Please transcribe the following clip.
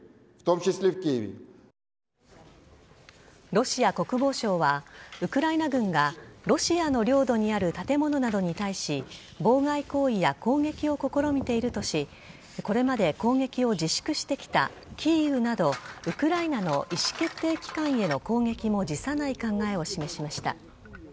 ロシア国防省はウクライナ軍がロシアの領土にある建物などに対し妨害行為や攻撃を試みているとしこれまで攻撃を自粛してきたキーウなどウクライナの意思決定機関への攻撃も辞さない考えを示しました。